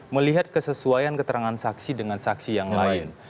melihat kesesuaian keterangan saksi dengan saksi yang lain